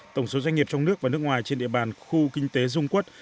tổng số doanh nghiệp trong nước và nước ngoài trên địa bàn khu kinh tế dung quốc